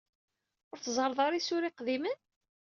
Ur teẓẓareḍ ara isura iqdimen?